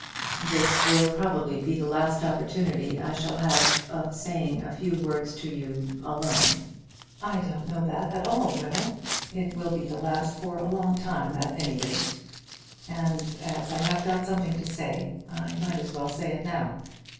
"This will probably be the last opportunity I shall have of saying a few words to you, alone." "I don't know that at all, Will." "It will be the last for a long time at any rate. And as I have got something to say, I might as well say it now.